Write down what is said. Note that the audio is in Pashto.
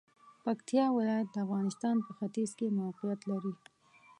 پکتیا ولایت د افغانستان په ختیځ کې موقعیت لري.